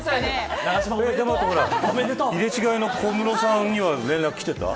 入れ違いの小室さんには連絡きてた。